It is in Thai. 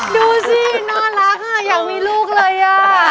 ดูสิน่ารักค่ะอยากมีลูกเลยอ่ะ